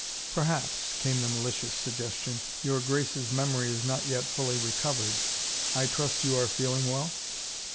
" Perhaps," came the malicious suggestion, " your Grace's memory is not yet fully recovered. I trust you are feeling well